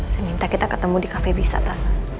saya minta kita ketemu di cafe bisata